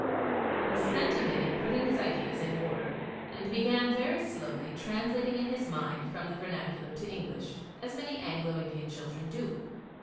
He spent a minute putting his ideas in order, and began very slowly, translating in his mind from the vernacular to English, as many Anglo Indian children do.